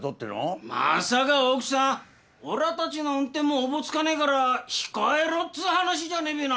まさか大奥さんおらたちの運転もおぼつかねえから控えろっつう話じゃねえべな？